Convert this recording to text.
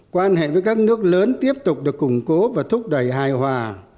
quan hệ với các nước lớn tiếp tục được củng cố và thúc đẩy hài hòa